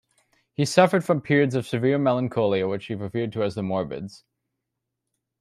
He suffered from periods of severe melancholia which he referred to as the Morbids.